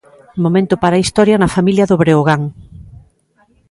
Momento para a historia na familia do Breogán.